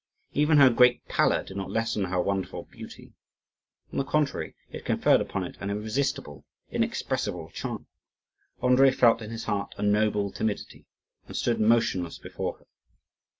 Even her great pallor did not lessen her wonderful beauty; on the contrary, it conferred upon it an irresistible, inexpressible charm. Andrii felt in his heart a noble timidity, and stood motionless before her.